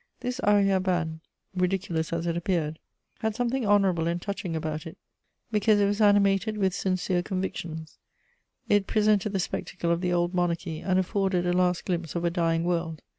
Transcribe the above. This arrière ban, ridiculous as it appeared, had something honourable and touching about it, because it was animated with sincere convictions; it presented the spectacle of the old monarchy and afforded a last glimpse of a dying world.